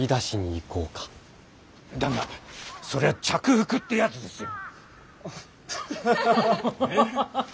旦那それは着服ってやつですよ。